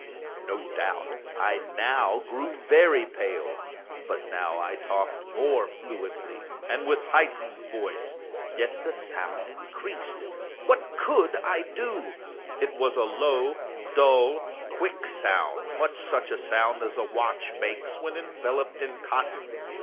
No doubt I now grew very pale;—but I talked more fluently, and with a heightened voice. Yet the sound increased—and what could I do? It was a low, dull, quick sound—much such a sound as a watch makes when enveloped in cotton.